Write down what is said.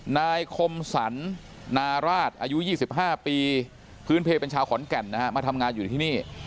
นายคมสรรนาราชอายุ๒๕ปีพื้นเพลเป็นชาวขอนแก่นนะฮะมาทำงานอยู่ที่นี่